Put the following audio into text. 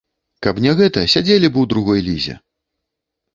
Каб не гэта, сядзелі б у другой лізе!